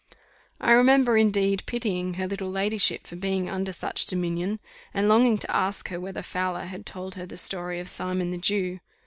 I remember, indeed, pitying her little ladyship for being under such dominion, and longing to ask her whether Fowler had told her the story of Simon the Jew.